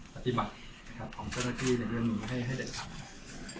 มีรักษณะข้อความที่มีการแชร์ต่อไปกันโพสต์ประมาณว่าอะไร